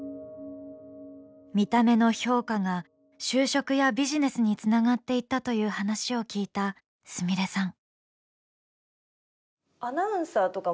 見た目の評価が就職やビジネスにつながっていったという話を聞いた、すみれさん。